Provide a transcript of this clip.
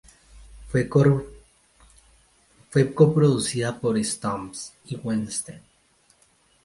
Fue coproducida por Stump y Wentz.